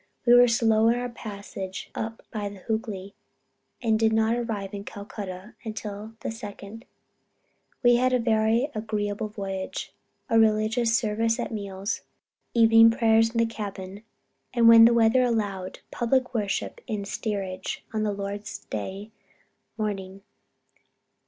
We were slow in our passage up the Hoogly, and did not arrive in Calcutta until the 2d inst. We had a very agreeable voyage, religious service at meals, evening prayers in the cabin, and when the weather allowed, public worship in the steerage on Lord's day morning